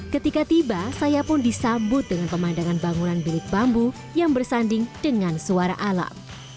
ketika tiba saya pun disambut dengan pemandangan bangunan bilik bambu yang bersanding dengan suara alam